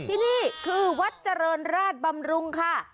ที่นี่คือวัดเจริญราชบำรุงค่ะ